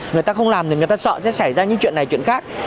người ta không làm thì người ta sợ sẽ xảy ra những chuyện này chuyện khác